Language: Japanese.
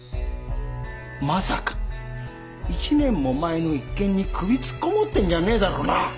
まさか１年も前の一件に首突っ込もうってんじゃねえだろうな！